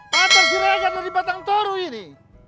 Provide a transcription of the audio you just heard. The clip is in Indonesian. patung sirega dari batang toru ini